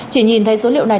chỉ nhìn thấy số liệu này